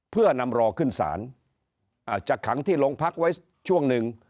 เพื่อนำรอขึ้นศาลอาจจะขังที่โรงพักไว้ช่วงหนึ่ง